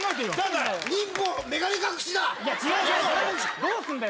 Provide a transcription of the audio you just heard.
どうしたんだよ？